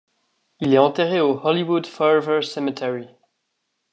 Il est enterré au Hollywood Forever Cemetery.